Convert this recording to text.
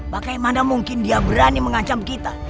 bagaimana mungkin dia berani mengancam kita